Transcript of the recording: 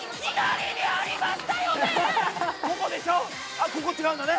あっここ違うんだね。